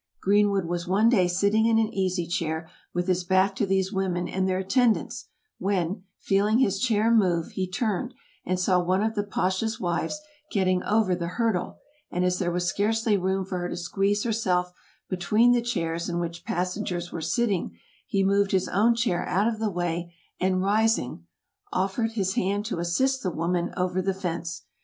Greenwood was one day sitting in an easy chair with his back to these women and their attendants, when, feeling his chair move, he turned and saw one of the Pasha's wives getting over the hurdle, and as there was scarcely room for her to squeeze herself between the chairs in which passengers were sitting, he moved his own chair out of the way and rising, offered his hand to assist the woman over the fence.